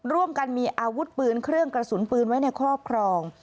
ร่วมกันมีอาวุธปืนเครื่องกระสุนปืนไว้ในครอบครอง